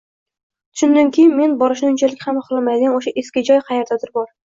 Tushundimki, men borishni unchalik ham xohlamayotgan oʻsha “eski joy” qayerdadir bor.